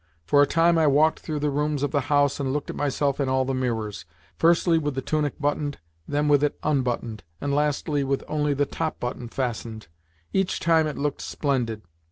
For a time I walked through the rooms of the house, and looked at myself in all the mirrors firstly with the tunic buttoned, then with it unbuttoned, and lastly with only the top button fastened. Each time it looked splendid.